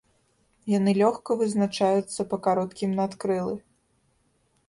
Яны лёгка вызначаюцца па кароткім надкрылы.